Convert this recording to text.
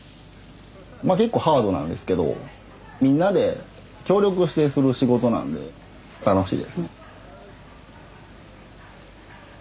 まあ結構ハードなんですけどみんなで協力してする仕事なんで楽しいですね。